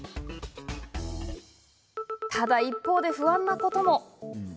ただ一方で、不安なことも。